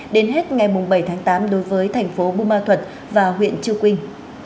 đến hết ngày bảy tháng tám đối với thành phố bù ma thuật và huyện chư quynh